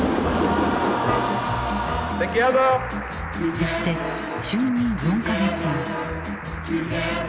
そして就任４か月後。